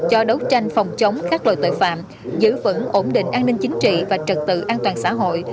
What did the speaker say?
cho đấu tranh phòng chống các loại tội phạm giữ vững ổn định an ninh chính trị và trật tự an toàn xã hội